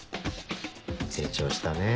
成長したねぇ。